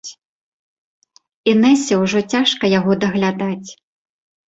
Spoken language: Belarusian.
Інэсе ўжо цяжка яго даглядаць.